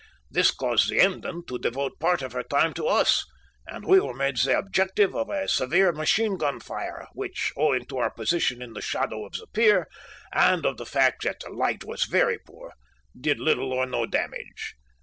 This caused the Emden to devote part of her time to us, and we were made the objective of a severe machine gun fire which, owing to our position in the shadow of the pier and of the fact that the light was very poor, did little or no damage.